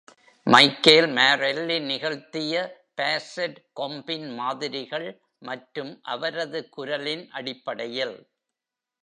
Michael Marelli நிகழ்த்திய basset கொம்பின் மாதிரிகள் மற்றும் அவரது குரலின் அடிப்படையில்.